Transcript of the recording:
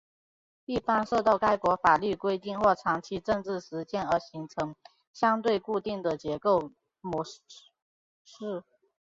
一般受到该国法律规定或长期政治实践而形成相对固定的结构模式。